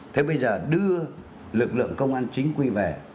thế bây giờ đưa lực lượng công an chính quy về